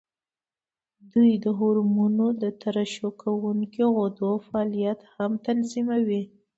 دوی د هورمونونو د ترشح کوونکو غدو فعالیت هم تنظیموي.